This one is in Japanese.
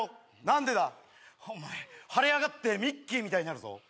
なんでだお前腫れ上がってミッキーみたいになるぞ・